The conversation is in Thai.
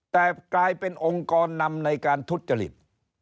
ตอนนำในการทุจจริต